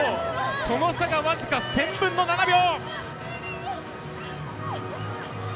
その差が僅か１０００分の７秒。